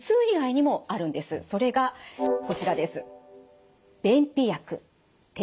それがこちらです。